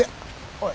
おい。